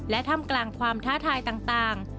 และถ้ำกลางความท้าทายต่าง